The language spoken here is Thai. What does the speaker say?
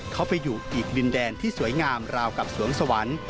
เขาไปอยู่อีกดินแดนที่สวยงามราวกับสวงสวรรค์